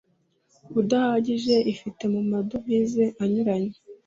udahagije ifite mu madovize anyuranye